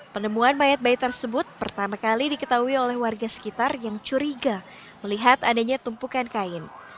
penemuan mayat bayi tersebut pertama kali diketahui oleh warga sekitar yang curiga melihat adanya tumpukan kain